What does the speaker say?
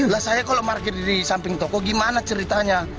lah saya kalau parkir di samping toko gimana ceritanya